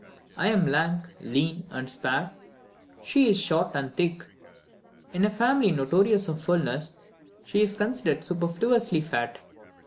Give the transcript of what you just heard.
I am lank, lean, and spare; she short and thick: in a family notorious for fulness, she is considered superfluously fat."